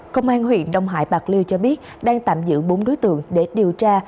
công an huyện đông hải bạc liêu cho biết đang tạm giữ bốn đối tượng để điều tra